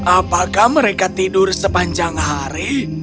apakah mereka tidur sepanjang hari